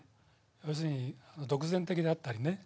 要するに独善的であったりね